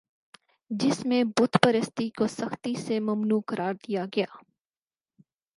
جس میں بت پرستی کو سختی سے ممنوع قرار دیا گیا